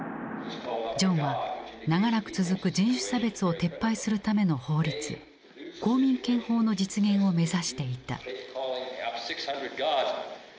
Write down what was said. ジョンは長らく続く人種差別を撤廃するための法律公民権法の実現を目指していた。